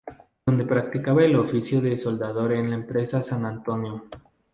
Donde practicaba el oficio de soldador en la empresa San Antonio.